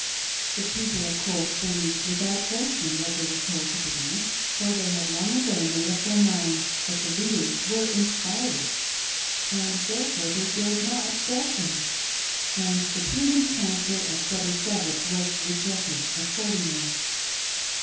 The people, of course, believed without question what they were told to believe, for they had long ago made up their minds that the leaders were inspired, and therefore they dared not doubt them, and the prudent counsel of Brother Savage was rejected accordingly.